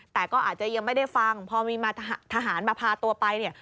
แต่ก็อาจจะยังไม่ได้ฟังพอมีทหารมาพาตัวไปเนี่ย